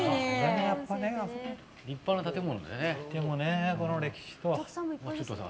立派な建物でね。